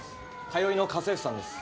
通いの家政婦さんです